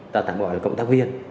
ta tạm gọi là cộng tác viên